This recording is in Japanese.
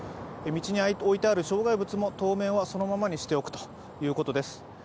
道に置いてある障害物も、当面はそのままにしておくということです。